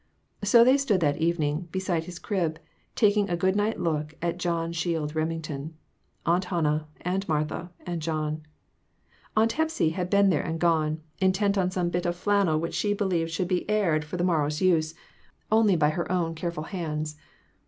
So they stood that evening, beside his crib, tak ing a good night look at John Shield Remington Aunt Hannah, and Martha and John. Aunt Hepsy had been there and gone, intent on some bit of flannel which she believed should be aired 430 j. s. R. for the morrow's use, only by her own careful hands.